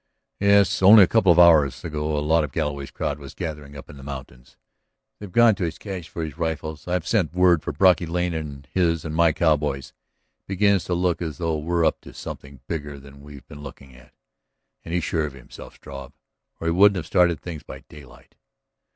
"Yes. Only a couple of hours ago a lot of Galloway's crowd was gathering up in the mountains. They've gone to his cache for the rifles. I have sent word for Brocky Lane and his and my cowboys. It begins to look as though he were up to something bigger than we've been looking for. And he's sure of himself, Struve, or he wouldn't have started things by daylight."